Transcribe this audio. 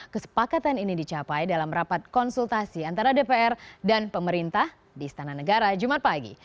kesepakatan ini dicapai dalam rapat konsultasi antara dpr dan pemerintah di istana negara jumat pagi